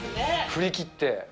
振りきって。